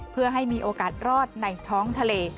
เพื่อให้มีโอกาสรอดในท้องทะเล